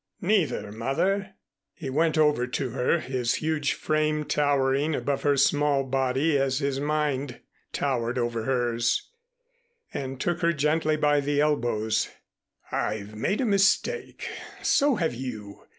"Neither, Mother," he went over to her, his huge frame towering above her small body as his mind towered over hers, and took her gently by the elbows. "I've made a mistake. So have you.